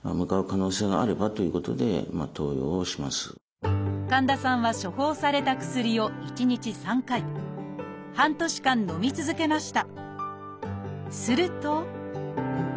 でも神田さんは処方された薬を１日３回半年間のみ続けました。